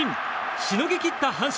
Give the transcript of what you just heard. しのぎ切った阪神。